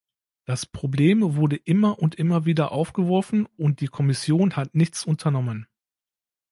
Das Problem wurde immer und immer wieder aufgeworfen, und die Kommission hat nichts unternommen.